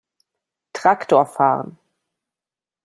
Traktor fahren!